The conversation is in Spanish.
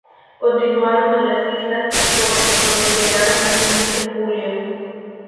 Continuaron a las islas Azores, donde llegaron a fines de julio.